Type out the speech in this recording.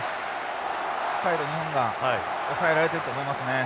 しっかりと日本が抑えられていると思いますね。